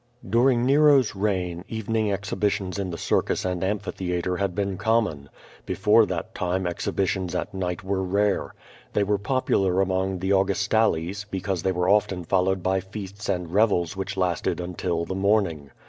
During Nero's reign evening exhibitions in the circus and amphitheatre had been common. Before that time exhibi tions at night were rare. They were popular among the Augustales, because they were often followed by feasts and revels which lasted until the morning.